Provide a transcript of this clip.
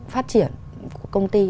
phát triển của công ty